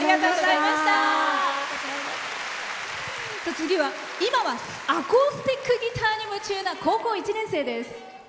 次は今はアコースティックギターに夢中な高校１年生です。